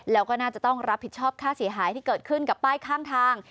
แล้วก็น่าจะต้องรับผิดชอบค่าเสียหายที่เกิดขึ้นกับป้ายข้างทาง